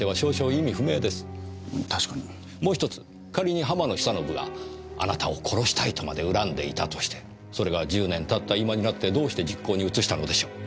仮に浜野久信があなたを殺したいとまで恨んでいたとしてそれが１０年たった今になってどうして実行に移したのでしょう？